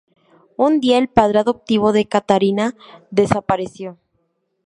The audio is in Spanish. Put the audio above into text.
Un día, el padre adoptivo de Katarina desapareció.